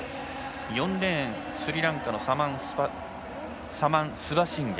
４レーン、スリランカのサマン・スバシンゲ。